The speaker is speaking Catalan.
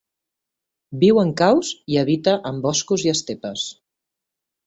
Viu en caus i habita en boscos i estepes.